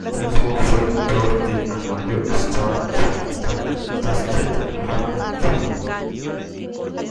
Asimismo fue editor del Anuario Schach-Taschen-Jahrbuches.